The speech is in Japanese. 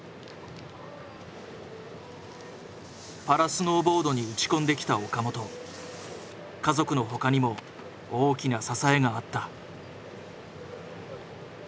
パラスノーボードに打ち込んできた岡本家族のほかにも大きな支えがあった。